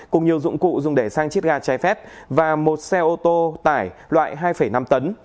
cùng nhiều dụng cụ dùng để sang chiết ga trái phép và một xe ô tô tải loại hai năm tấn